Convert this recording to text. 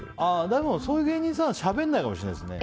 でもそういう芸人さんしゃべらないかもですね。